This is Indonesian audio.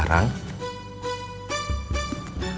ada nyayah reaksi dan